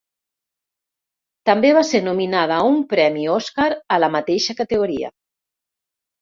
També va ser nominada a un premi oscar a la mateixa categoria.